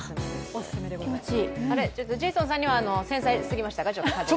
ジェイソンさんには繊細すぎましたか、風が。